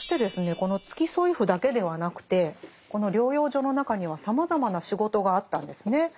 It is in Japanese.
この付添夫だけではなくてこの療養所の中にはさまざまな仕事があったんですね。